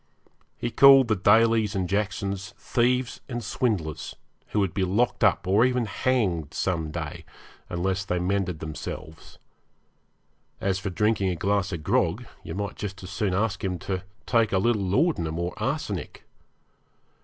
He called the Dalys and Jacksons thieves and swindlers, who would be locked up, or even hanged, some day, unless they mended themselves. As for drinking a glass of grog, you might just as soon ask him to take a little laudanum or arsenic.